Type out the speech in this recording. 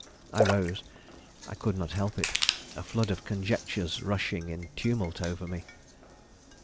I rose. I could not help it: a flood of conjectures rushing in tumult over me.